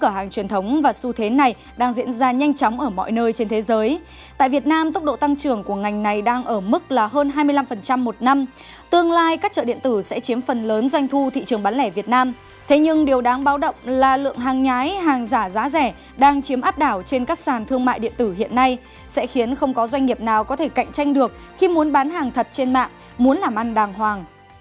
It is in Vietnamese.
hàng giả có thể cạnh tranh được khi muốn bán hàng thật trên mạng muốn làm ăn đàng hoàng